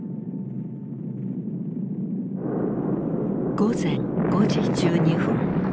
午前５時１２分。